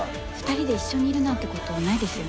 ２人で一緒にいるなんて事ないですよね？